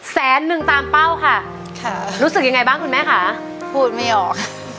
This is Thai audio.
แสนนึงตามเป้าค่ะรู้สึกยังไงบ้างคุณแม่ค่ะพูดไม่ออก